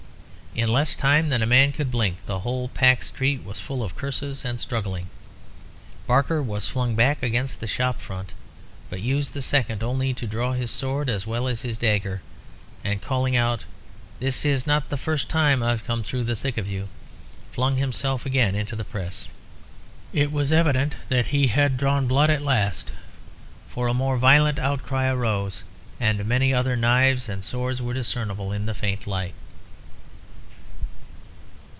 In less time than a man could blink, the whole packed street was full of curses and struggling. Barker was flung back against the shop front, but used the second only to draw his sword as well as his dagger, and calling out, "This is not the first time I've come through the thick of you," flung himself again into the press. It was evident that he had drawn blood at last, for a more violent outcry arose, and many other knives and swords were discernible in the faint light.